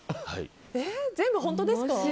全部、本当ですか？